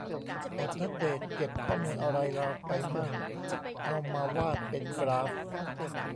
แอปนัดเดต เก็บข้อมูลอะไรเราไปมั่ง เอามาวาดเป็นกราฟ